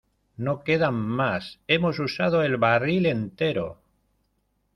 ¡ No quedan más! ¡ hemos usado el barril entero !